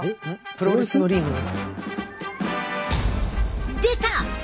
プロレスのリング？出た！